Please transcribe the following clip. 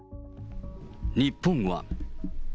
日本は。